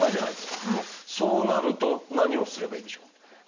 そうなると何をすればいいでしょう？